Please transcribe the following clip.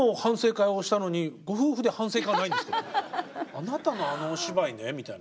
あなたのあのお芝居ねみたいな。